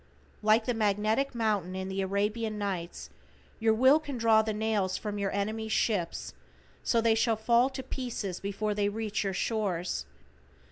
Like the magnetic mountain in the "Arabian Nights," your Will can draw the nails from your enemies' ships, so they shall fall to pieces before they reach your shores.